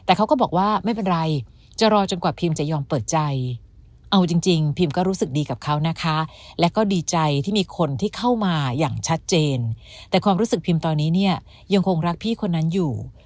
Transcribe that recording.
เอาจริงพิมก็รู้สึกดีกับเขานะคะและก็ดีใจที่มีคนที่เข้ามาอย่างชัดเจนแต่ความรู้สึกพิมตอนนี้เนี่ยยังคงรักพี่คนนั้นอยู่